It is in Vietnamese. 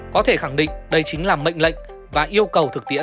có thể khẳng định đây chính là mệnh lệnh và yêu cầu thực tiễn